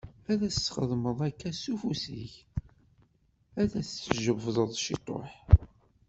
Ad as-txedmeḍ akka s ufus-ik, ad tt-tjebdeḍ ciṭuḥ.